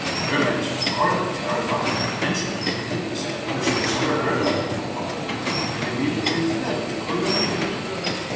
Myrmex was horribly terrified at the mention of a wickedness which he had never heard of before, and immediately fled with closed ears.